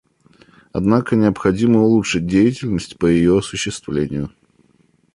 Однако необходимо улучшить деятельность по ее осуществлению.